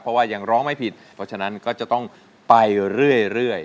เพราะว่ายังร้องไม่ผิดเพราะฉะนั้นก็จะต้องไปเรื่อย